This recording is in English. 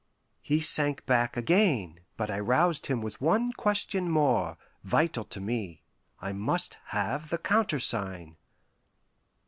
He sank back again, but I roused him with one question more, vital to me. I must have the countersign.